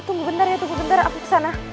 tunggu bentar ya aku kesana